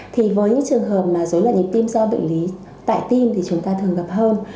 thì với những trường hợp mà dối loạn nhịp tim do bệnh lý tại tim thì chúng ta thường gặp hơn